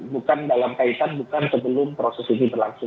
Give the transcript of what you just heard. bukan dalam kaitan bukan sebelum proses ini berlangsung